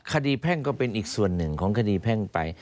แพ่งก็เป็นอีกส่วนหนึ่งของคดีแพ่งไป